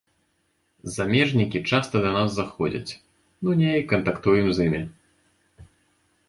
Замежнікі часта да нас заходзяць, ну неяк кантактуем з імі.